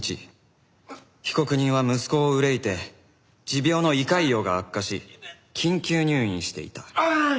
被告人は息子を憂えて持病の胃潰瘍が悪化し緊急入院していた。